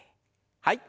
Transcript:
はい。